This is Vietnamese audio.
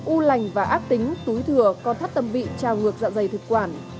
u lành và ác tính túi thừa con thắt tâm vị trào ngược dạ dày thực quản